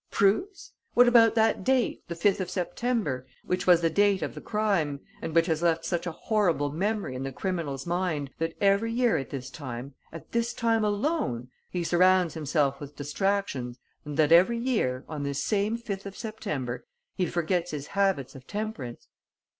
Proofs? What about that date, the 5th of September, which was the date of the crime and which has left such a horrible memory in the criminal's mind that every year at this time at this time alone he surrounds himself with distractions and that every year, on this same 5th of September, he forgets his habits of temperance?